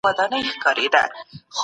دا کچه له څلوېښتو کلونو مخکې ټیټه وه.